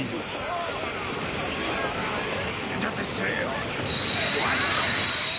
ちょっと失礼。